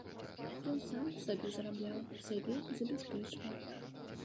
Ён сам сабе зарабляў, сябе забяспечваў.